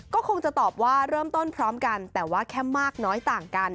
ก็คงจะตอบว่าเริ่มต้นพร้อมกันแต่ว่าแค่มากน้อยต่างกัน